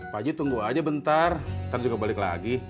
pak haji tunggu aja bentar ntar juga balik lagi